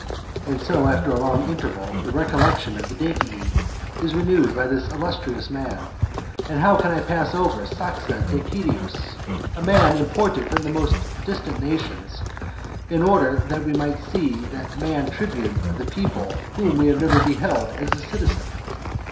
And so after a long interval the recollection of the Decii is renewed by this illustrious man. And how can I pass over Saxa Decidius, a fellow imported from the most distant nations, in order that we might see that man tribune of the people whom we had never beheld as a citizen?